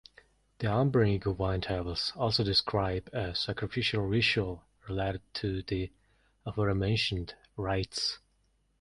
The Umbrian Iguvine Tables also describe a sacrificial ritual related to the aforementioned rites.